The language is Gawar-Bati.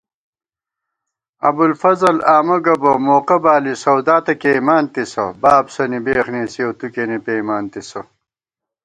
ابُوالفضل آمہ گہ بہ موقہ بالی سَودا تہ کېئیمانتِسہ تِسہ * بابسَنی بېخ نېسِیَؤ تُو کېنےپېئیمانتِسہ